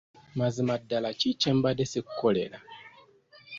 Mazima ddala ki kye mbadde sikukolera?